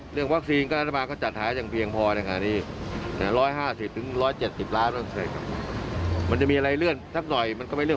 เรื่องวัคซีนก็จะมาก็จัดหาอย่างเพียงพอเล่นค่ะ